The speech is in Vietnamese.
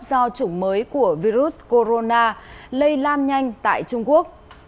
do chủng mới của virus corona lây lan nhanh tại trung quốc